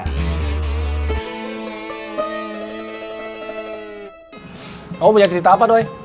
kamu punya cerita apa doy